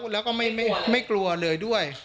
แล้วก็ไม่กลัวเลยด้วย